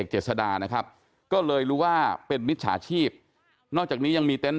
เจษดานะครับก็เลยรู้ว่าเป็นมิจฉาชีพนอกจากนี้ยังมีเต็นต